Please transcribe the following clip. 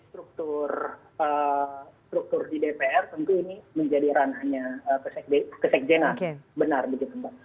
struktur struktur di dpr tentu ini menjadi ranahnya kesekjenan benar begitu mbak